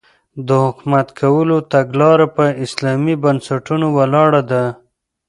د حکومت کولو تګلاره په اسلامي بنسټونو ولاړه ده.